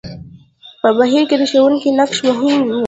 په بهير کې د ښوونکي نقش مهم وي.